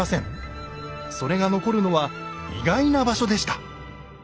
それが残るのは意外な場所でした。